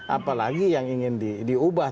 apalagi yang ingin diubah